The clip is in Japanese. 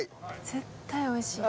絶対おいしい。